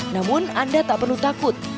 namun anda tak perlu takut